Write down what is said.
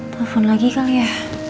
telepon lagi kali ya